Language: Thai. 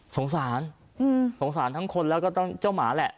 สงสารสงสารทั้งคนแล้วก็เจ้าหมาแหละ